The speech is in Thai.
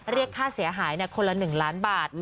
เรียกค่าเสียหายคนละ๑ล้านบาท